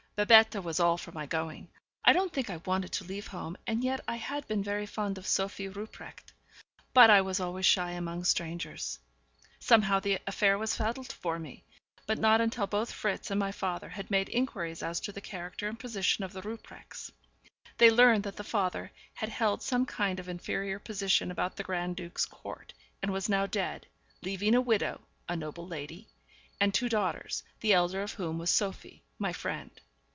Babette was all for my going; I don't think I wanted to leave home, and yet I had been very fond of Sophie Rupprecht. But I was always shy among strangers. Somehow the affair was settled for me, but not until both Fritz and my father had made inquiries as to the character and position of the Rupprechts. They learned that the father had held some kind of inferior position about the Grand duke's court, and was now dead, leaving a widow, a noble lady, and two daughters, the elder of whom was Sophie, my friend.